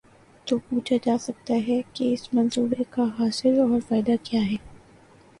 تو پوچھا جا سکتا ہے کہ اس منصوبے کاحاصل اور فائدہ کیا ہے؟